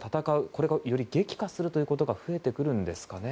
これがより激化するということが増えてくるんですかね。